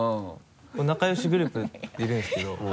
仲良しグループでいるんですけど。